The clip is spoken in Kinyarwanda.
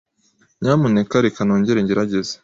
Nyamuneka reka nongere ngerageze.